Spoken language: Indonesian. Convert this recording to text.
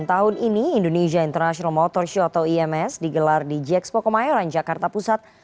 tahun ini indonesia international motor show atau ims digelar di jxpo kemayoran jakarta pusat